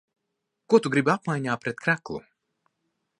Ko tu gribi apmaiņā pret kreklu?